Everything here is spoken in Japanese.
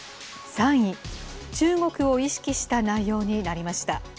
３位、中国を意識した内容になりました。